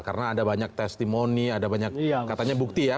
karena ada banyak testimoni ada banyak katanya bukti ya